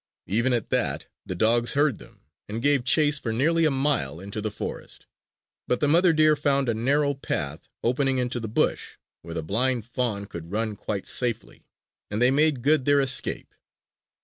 Even at that the dogs heard them and gave chase for nearly a mile into the forest. But the mother deer found a narrow path, opening into the bush where the blind fawn could run quite safely; and they made good their escape.